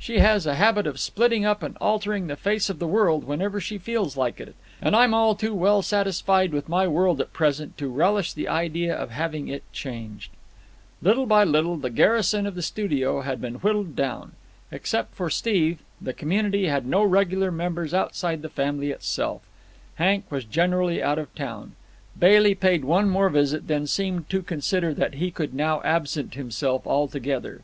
She has a habit of splitting up and altering the face of the world whenever she feels like it, and I'm too well satisfied with my world at present to relish the idea of having it changed." Little by little the garrison of the studio had been whittled down. Except for Steve, the community had no regular members outside the family itself. Hank was generally out of town. Bailey paid one more visit, then seemed to consider that he could now absent himself altogether.